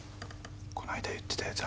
この間言ってたやつ